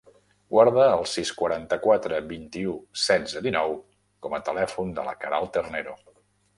Guarda el sis, quaranta-quatre, vint-i-u, setze, dinou com a telèfon de la Queralt Ternero.